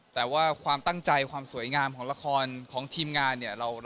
แต่ว่าความตั้งใจความสวยงามของละครของทีมงานเนี่ย